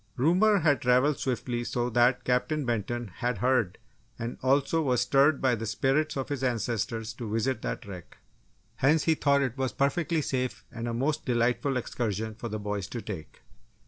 Rumour had travelled swiftly so that Captain Benton had heard and also was stirred by the spirits of his ancestors to visit that wreck! Hence, he thought it was perfectly safe and a most delightful excursion for the boys to take!